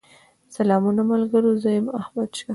سلامونه ملګرو! زه يم احمدشاه